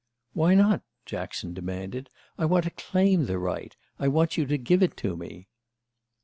"Why not?" Jackson demanded. "I want to claim the right. I want you to give it to me."